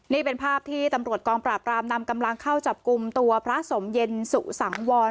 นี่เป็นภาพที่ตำรวจกองปราบรามนำกำลังเข้าจับกลุ่มตัวพระสมเย็นสุสังวร